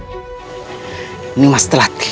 ini mas telah tilam